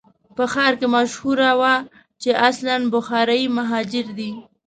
په ښار کې مشهوره وه چې اصلاً بخارایي مهاجر دی.